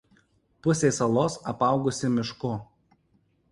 Pusė salos apaugusi mišku.